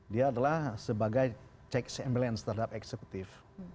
dia adalah sebagai cek sembilan terhadap eksekutif